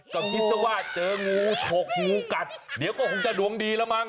ก็คิดซะว่าเจองูฉกงูกัดเดี๋ยวก็คงจะดวงดีแล้วมั้ง